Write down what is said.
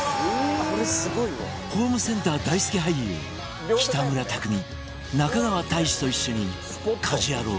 ホームセンター大好き俳優北村匠海中川大志と一緒に『家事ヤロウ！！！』